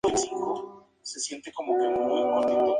Málaga y Getafe Deportivo.